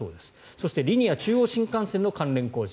そして、リニア中央新幹線の関連工事。